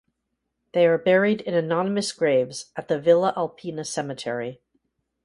They are buried in anonymous graves at the Vila Alpina Cemetery.